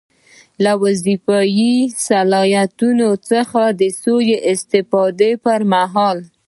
له وظیفوي صلاحیتونو څخه د سوء استفادې پر مهال.